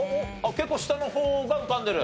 結構下の方が浮かんでる？